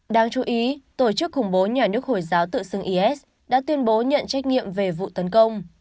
đáng chú ý tổ chức khủng bố nhà nước hồi giáo tự xưng is đã tuyên bố nhận trách nhiệm về vụ tấn công